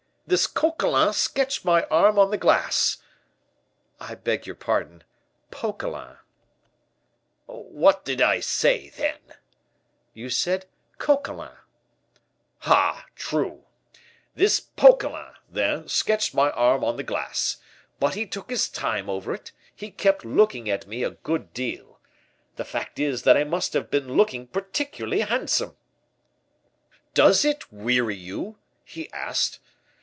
"This Coquelin sketched my arm on the glass." "I beg your pardon Poquelin." "What did I say, then?" "You said Coquelin." "Ah! true. This Poquelin, then, sketched my arm on the glass; but he took his time over it; he kept looking at me a good deal. The fact is, that I must have been looking particularly handsome." "'Does it weary you?' he asked.